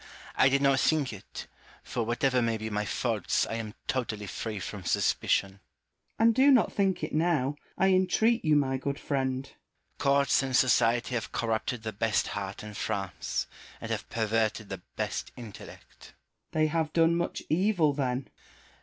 I ROUSSEAU AND MALESHERBES. 249 did not think it; for, whatever may be my faults, I am totally free from suspicion. Malesherbes. And do not think it now, I entreat you, my good friend. Rousseau. Courts and society have corrupted the best heart in France, and have perverted the best intellect. Malesherbes. They have done much evil then.